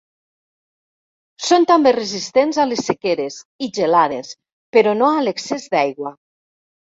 Són també resistents a les sequeres i gelades, però no a l'excés d'aigua.